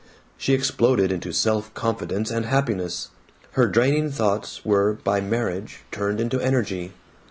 She exploded into self confidence and happiness; her draining thoughts were by marriage turned into energy.